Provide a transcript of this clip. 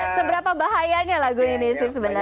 seberapa bahayanya lagu ini sih sebenarnya